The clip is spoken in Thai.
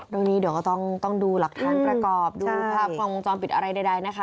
โดยนี้เดี๋ยวก็ต้องต้องดูหลักฐานประกอบดูภาพฟังจอมปิดอะไรใดใดนะคะ